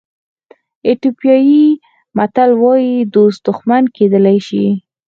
ایتیوپیایي متل وایي دوست دښمن کېدلی شي.